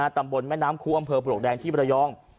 ตำบลแม่น้ำคูอำเภอปลวกแดงที่บรยอง